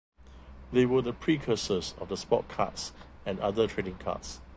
They were the precursors of the sport cards and other trading cards.